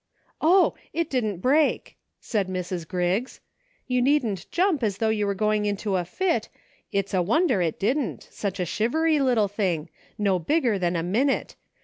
"Oh! it didn't break," said Mrs. Griggs; "you needn't jump as though you were going into a fit ; it's a wonder it didn't ; such a shivery little thing, no bigger than a minute.